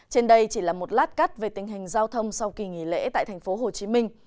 trên đây chỉ là một lát cắt về tình hình giao thông sau kỳ nghỉ lễ tại tp hcm